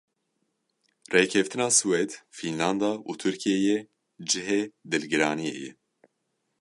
Rêkeftina Swêd, Fînlanda û Tirkiyeyê cihê dilgiraniyê ye.